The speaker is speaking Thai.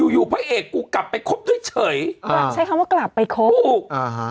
อยู่พะเอกกูกลับไปคบเฉยเฉยใช้คำว่ากลับไปครบพูกอื้อฮะ